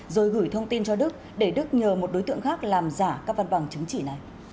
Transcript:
rồi gửi thông tin cho đức để đức nhờ một đối tượng khác làm giả các văn bằng chứng chỉ này